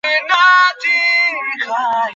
হয়তো আমার মনোভাব টের পেয়েছিল আশার।